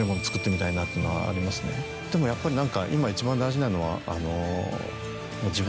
でもやっぱり何か今一番大事なのはあの。